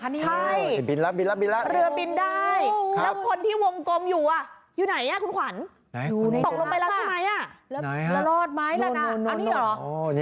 คุณลงกับหลานที่อยู่ตรงชานบ้าน